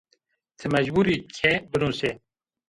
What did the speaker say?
Ti mecbur î ke binusê?